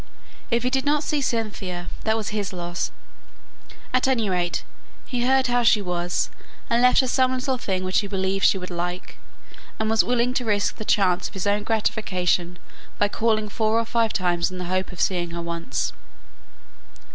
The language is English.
If he did not see Cynthia, that was his loss; at any rate, he heard how she was, and left her some little thing which he believed she would like, and was willing to risk the chance of his own gratification by calling four or five times in the hope of seeing her once.